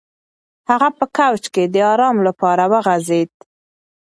هغه په کوچ کې د ارام لپاره وغځېد.